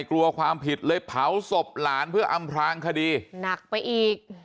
กลัวความผิดเลยเผาศพหลานเพื่ออำพลางคดีหนักไปอีก